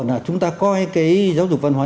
là chúng ta coi cái giáo dục văn hóa